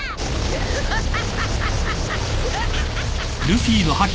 アハハハ！